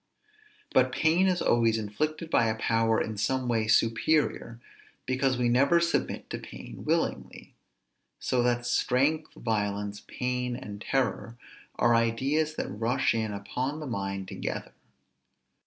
But pain is always inflicted by a power in some way superior, because we never submit to pain willingly. So that strength, violence, pain, and terror, are ideas that rush in upon the mind together.